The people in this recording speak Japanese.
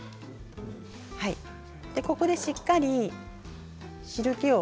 ここでしっかり汁けを。